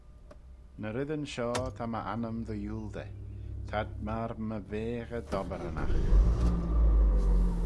"Ny reddyn shoh ta my annym dy yiooldey; t'ad myr my veaghey dobberanagh."